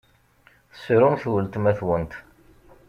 Tessrumt weltma-twent!